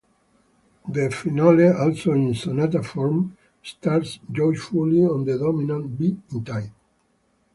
The finale, also in sonata form, starts joyfully on the dominant, B, in time.